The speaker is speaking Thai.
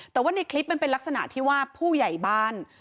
แต่ว่าในคลิปมันเป็นลักษณะที่ว่าผู้ใหญ่บ้าน